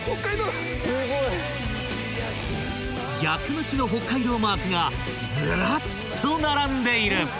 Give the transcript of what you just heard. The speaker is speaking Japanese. ［逆向きの北海道マークがずらっと並んでいる］